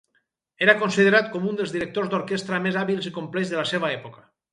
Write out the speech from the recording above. Era considerat com un dels directors d'orquestra més hàbils i complets de la seva època.